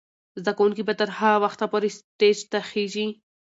زده کوونکې به تر هغه وخته پورې سټیج ته خیژي.